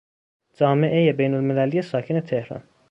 جامعهی بینالمللی ساکن تهران